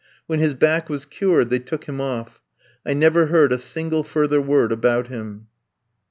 When his back was cured they took him off. I never heard a single further word about him.